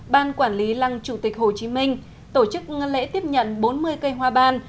ban quản lý lăng chủ tịch hồ chí minh tổ chức lễ tiếp nhận bốn mươi cây hoa ban